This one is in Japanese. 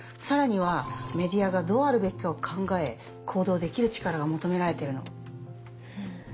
さらにはメディアがどうあるべきかを考え行動できる力が求められているの。